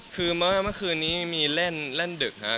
คือเมื่อคืนนี้มีเล่นดึกครับ